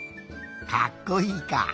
かっこいいか。